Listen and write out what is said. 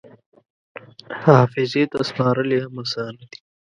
حافظې ته سپارل یې هم اسانه دي.